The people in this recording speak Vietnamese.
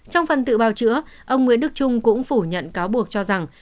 trong phần tự bào chữa ông nguyễn đức trung cũng phủ nhận cáo buộc cho rằng